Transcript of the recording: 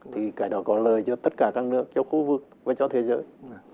thì cái đó có lời cho tất cả các nước trong khu vực và cho thế giới